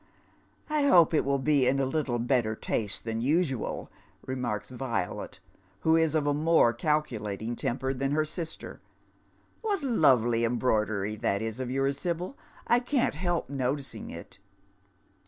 " I hope it will be in a little better taste than usual," remarks Violet, who is of a more calculating temper than her sister. " Wliat lovely embroidery that is of yours, Sibyl ! I can't help noticing it."